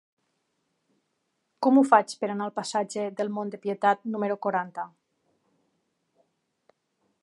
Com ho faig per anar al passatge del Mont de Pietat número quaranta?